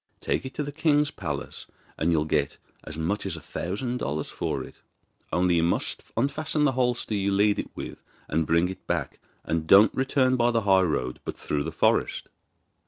Take it to the king's palace and you'll get as much as a thousand dollars for it. Only you must unfasten the halter you lead it with and bring it back, and don't return by the high road, but through the forest.